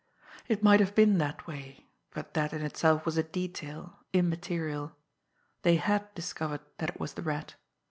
It might have been that way, but that in itself was a detail, immaterial they had discovered that it was the Rat.